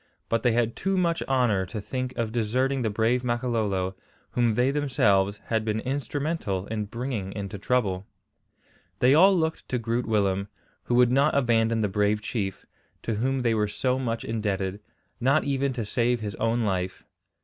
But they had too much honour to think of deserting the brave Makololo, whom they themselves had been instrumental in bringing into trouble. They all looked to Groot Willem, who would not abandon the brave chief, to whom they were so much indebted, not even to save his own life.